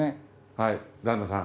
はい旦那さん。